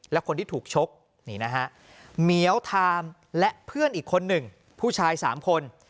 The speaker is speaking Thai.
และคนที่ถูกชกนี่นะฮะเหมียวทามและเพื่อนอีกคนหนึ่งผู้ชาย๓คน